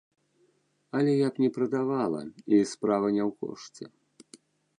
Але я б не прадавала, і справа не ў кошце.